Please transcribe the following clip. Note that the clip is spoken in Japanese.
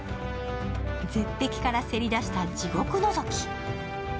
絶壁からせりだした地獄のぞき。